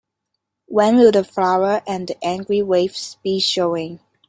When will The Flower and the Angry Waves be showing?